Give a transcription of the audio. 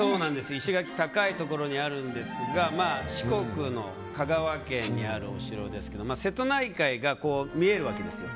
石垣が高いところにあるんですが四国の香川県にあるお城で瀬戸内海が見えるわけですよ。